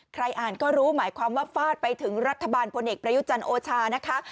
ใครอ่านก็รู้หมายความว่าฟาดไปถึงรัฐบาลพลเอกประยุจันทร์โอชานะคะ